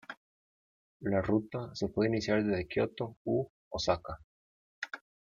La ruta se puede iniciar desde Kioto u Osaka.